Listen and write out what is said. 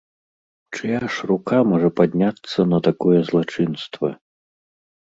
Чыя ж рука можа падняцца на такое злачынства?